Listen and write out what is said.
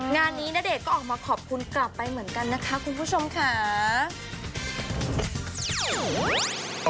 งานนี้ณเดชน์ก็ออกมาขอบคุณกลับไปเหมือนกันนะคะคุณผู้ชมค่ะ